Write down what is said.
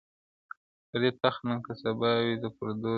پردى تخت نن كه سبا وي د پردو دئ--!